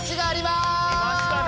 きましたね。